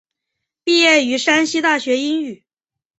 毕业于山西大学英语。